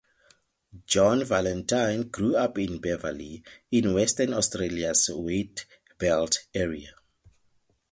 Jo Vallentine grew up in Beverley, in Western Australia's Wheatbelt area.